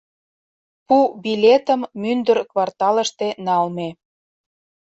Пу билетым мӱндыр кварталыште налме.